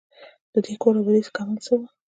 د دې کور آبادۍ کمال څه وو.